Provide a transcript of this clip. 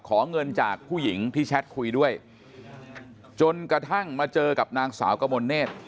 ขอเงินจากผู้หญิงที่แชทคุยด้วยจนกระทั่งมาเจอกับนางสาวกมลเนธ